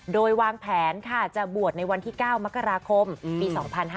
โดยวางแผนค่ะจะบวชในวันที่๙มกราคมปี๒๕๕๙